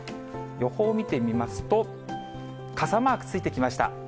予報を見てみますと、傘マークついてきました。